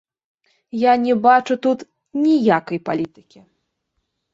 Я не бачу тут ніякай палітыкі.